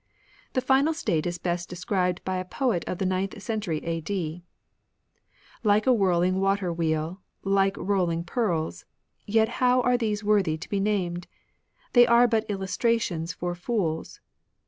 The final state is best described by a poet of the ninth century a.d. :— Like a whirling water wheel, Like rolling pearls, — Yet how are these worthy to be named T They are but illustrations for fools.